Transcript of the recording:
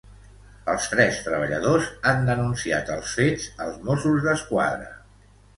Els tres treballadors han denunciat els fets als Mossos d'Esquadra.